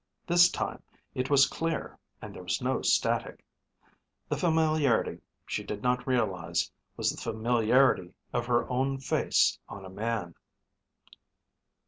This time it was clear and there was no static. The familiarity, she did not realize, was the familiarity of her own face on a man.